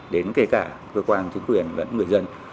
đến kể cả cơ quan chính quyền lẫn người dân